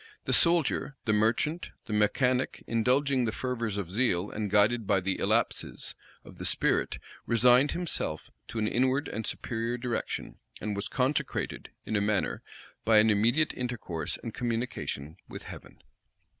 The soldier, the merchant, the mechanic, indulging the fervors of zeal, and guided by the illapses of the spirit, resigned himself to an inward and superior direction, and was consecrated, in a manner, by an immediate intercourse and communication with heaven.